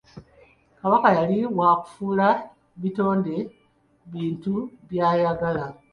Kabaka yali wa kufuula bitonde bintu by'ayagala.